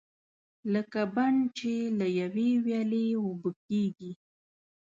لکه بڼ چې له یوې ویالې اوبه کېږي.